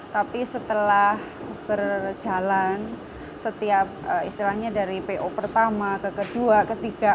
tapi setelah berjalan setiap istilahnya dari po pertama ke kedua ketiga